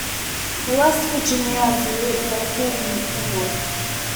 The West Virginia Zoo is located in Kingwood.